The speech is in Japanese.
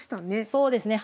そうですね。